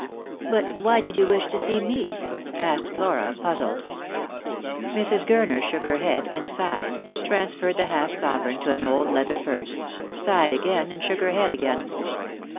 " But why did you wish to see me ?" asked Flora, puzzled. Mrs. Gurner shook her head and sighed, transferred the half sovereign to an old leather purse, sighed again, and shook her head again.